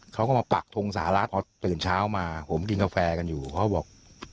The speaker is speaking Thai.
เขาก็มาปักทงสหรัฐพอตื่นเช้ามาผมกินกาแฟกันอยู่เขาบอก